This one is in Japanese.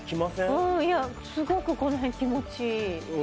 うんいやすごくこの辺気持ちいい。